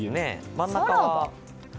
真ん中は？